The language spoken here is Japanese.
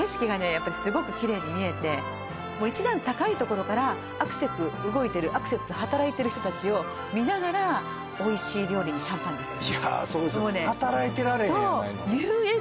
やっぱりすごくキレイに見えて１段高いところからあくせく動いてるあくせく働いてる人達を見ながらおいしい料理にシャンパンですよ